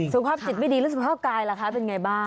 สุขภาพจิตไม่ดีแล้วสภาพกายล่ะคะเป็นไงบ้าง